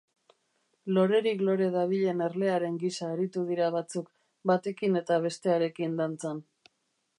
Lorerik lore dabilen erlearen gisa aritu dira batzuk, batekin eta bestearekin dantzan.